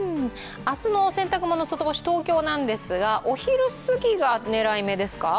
明日のお洗濯もの外干し、東京ですがお昼過ぎが狙い目ですか？